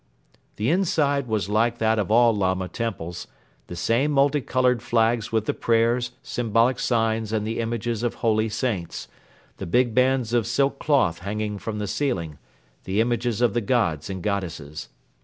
The inside was like that of all Lama temples, the same multi colored flags with the prayers, symbolic signs and the images of holy saints; the big bands of silk cloth hanging from the ceiling; the images of the gods and goddesses.